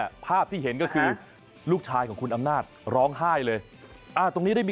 ภาพที่เห็นก็คือลูกชายของคุณอำนาจร้องไห้เลยอ่าตรงนี้ได้มี